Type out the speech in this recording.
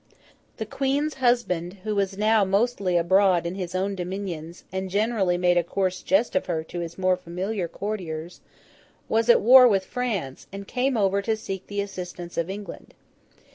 The Queen's husband, who was now mostly abroad in his own dominions, and generally made a coarse jest of her to his more familiar courtiers, was at war with France, and came over to seek the assistance of England.